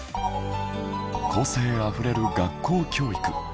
個性あふれる学校教育